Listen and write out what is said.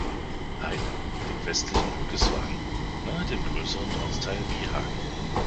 Heidt liegt im westlichen Hückeswagen nahe dem größeren Ortsteil Wiehagen.